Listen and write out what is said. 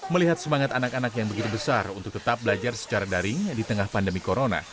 melihat semangat anak anak yang begitu besar untuk tetap belajar secara daring di tengah pandemi corona